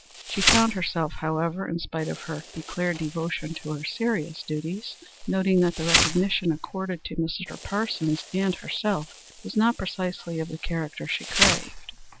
She found herself, however, in spite of her declared devotion to her serious duties, noting that the recognition accorded to Mr. Parsons and herself was not precisely of the character she craved.